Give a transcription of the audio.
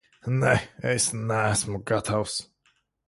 Nē, es neesmu gatavs.